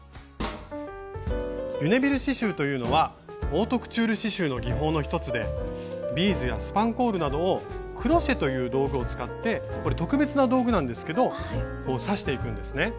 リュネビル刺しゅうというのはオートクチュール刺しゅうの技法の一つでビーズやスパンコールなどをクロシェという道具を使ってこれ特別な道具なんですけど刺していくんですね。